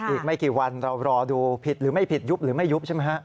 อีกไม่กี่วันเรารอดูผิดหรือไม่ผิดยุบหรือไม่ยุบใช่ไหมฮะ